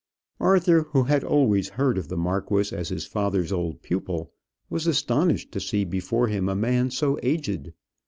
Arthur, who had always heard of the marquis as his father's old pupil, was astonished to see before him a man so aged.